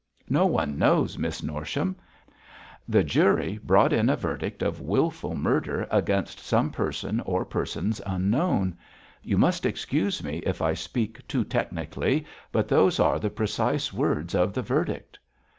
'No one knows, Miss Norsham. The jury brought in a verdict of wilful murder against some person or persons unknown. You must excuse me if I speak too technically, but those are the precise words of the verdict.'